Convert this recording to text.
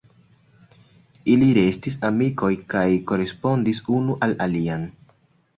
Ili restis amikoj kaj korespondis unu la alian.